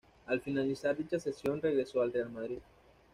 Al finalizar dicha cesión regresó al Real Madrid.